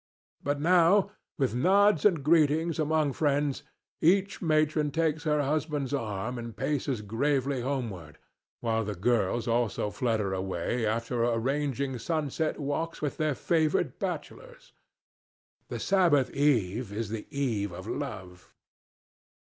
But now, with nods and greetings among friends, each matron takes her husband's arm and paces gravely homeward, while the girls also flutter away after arranging sunset walks with their favored bachelors. The Sabbath eve is the eve of love.